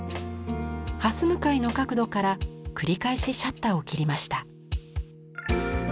はす向かいの角度から繰り返しシャッターを切りました。